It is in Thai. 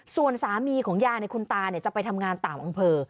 ส่วนสามีของยายคุณตาจะไปทำงานต่างอำเภอ